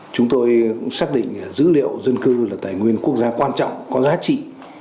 chúng tôi cũng xác định dữ liệu dân cư là tài nguyên quốc gia quan trọng có giá trị